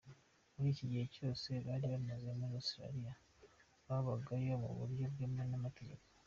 Muri iki gihe cyose bari bamaze muri Australia babagayo mu buryo bwemewe n’amategeko.